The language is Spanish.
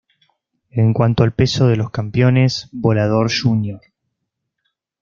En cuanto al peso de los campeones, Volador Jr.